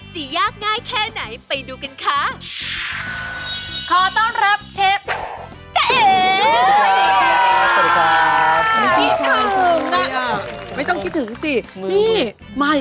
ยากง่ายแค่ไหนไปดูกันค่ะ